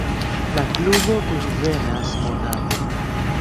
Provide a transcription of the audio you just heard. La klubo kunvenas monate.